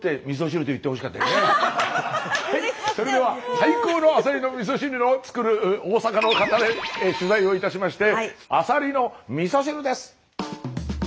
最高のアサリのみそ汁を作る大阪の方へ取材をいたしましてアサリのみそ汁です！